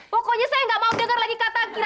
pokoknya saya gak mau dengar lagi kata kira kira